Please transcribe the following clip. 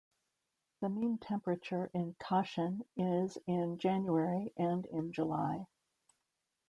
The mean temperature in Kashin is in January and in July.